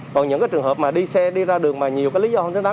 còn những trường hợp mà đi xe đi ra đường mà nhiều cái lý do không thể làm